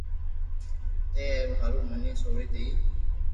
تو اي ھارو مني سوڙي ديئي